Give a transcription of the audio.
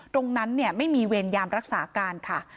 ตรงนั้นเนี่ยไม่มีเวรยามรักษาการค่ะ